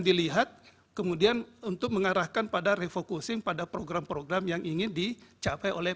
dilihat kemudian untuk mengarahkan pada refocusing pada program program yang ingin dicapai oleh